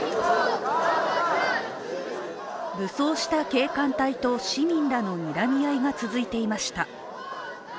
武装した警官隊と市民らのにらみ合いが続いていました。